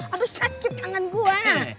aduh sakit tangan gua